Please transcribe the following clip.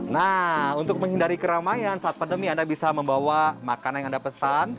nah untuk menghindari keramaian saat pandemi anda bisa membawa makanan yang anda pesan